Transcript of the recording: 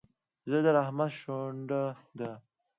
زړه د رحمت شونډه ده.